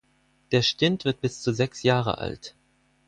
Der Stint wird bis zu sechs Jahre alt.